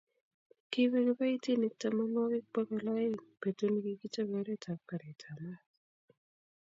kibek kibaitinik tamanwokik bokol aeng betut nekikichapei oret ab karit ab maat